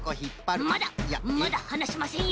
まだまだはなしませんよ！